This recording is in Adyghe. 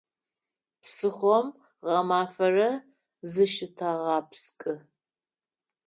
Псыхъом гъэмафэрэ зыщытэгъэпскӏы.